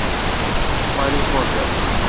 خوا لێی خۆش بێت